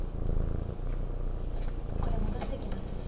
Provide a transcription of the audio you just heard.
これ戻してきますね。